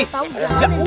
tau jangan jangan